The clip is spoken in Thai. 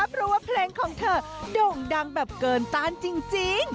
เพราะว่าเพลงของเธอโด่งดังแบบเกินต้านจริง